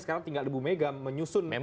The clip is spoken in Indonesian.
sekarang tinggal di bumega menyusun